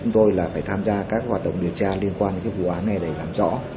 chúng tôi là phải tham gia các hoạt động điều tra liên quan đến vụ án này để làm rõ